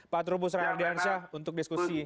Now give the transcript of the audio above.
pak trubus rahardiansyah untuk diskusi